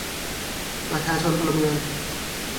ประชาชนพลเมือง